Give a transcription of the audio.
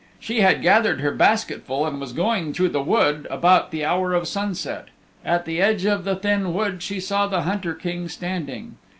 She had gathered her basketful and was going through the wood about the hour of sunset. At the edge of the thin wood she saw the Hunter King standing.